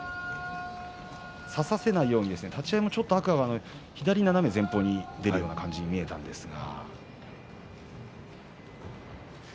差させないように立ち合いも少し天空海は左の斜め前方に出たような感じに見えましたが。